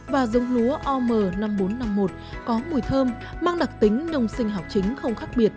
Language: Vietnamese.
và giống lúa om năm nghìn bốn trăm năm mươi một có mùi thơm mang đặc tính nông sinh học chính không khác biệt